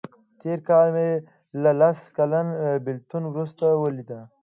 تېر کال مې له لس کلن بیلتون وروسته ولیده.